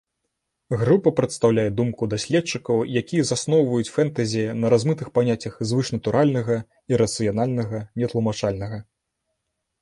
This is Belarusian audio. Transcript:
Група прадстаўляе думку даследчыкаў, якія засноўваюць фэнтэзі на размытых паняццях звышнатуральнага, ірацыянальнага, нетлумачальнага.